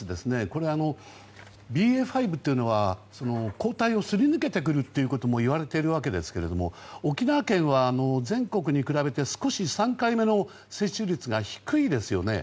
これ、ＢＡ．５というのは抗体をすり抜けてくるともいわれていますが沖縄県は全国に比べて少し３回目の接種率が低いですよね。